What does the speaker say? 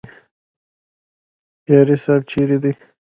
یاري صاحب چیرې دی؟